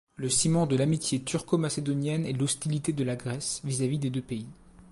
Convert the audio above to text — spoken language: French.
Le ciment de l'amitié turco-macédonienne est l'hostilité de la Grèce vis-à-vis des deux pays.